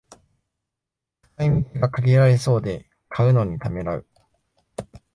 使い道が限られそうで買うのにためらう